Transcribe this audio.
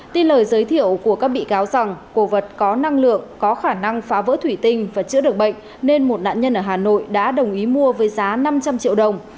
tin lời giới thiệu của các bị cáo rằng cổ vật có năng lượng có khả năng phá vỡ thủy tinh và chữa được bệnh nên một nạn nhân ở hà nội đã đồng ý mua với giá năm trăm linh triệu đồng